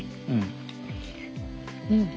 うん。